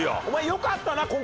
お前よかったな